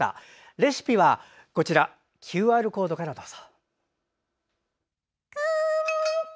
レシピは、ＱＲコードからどうぞ。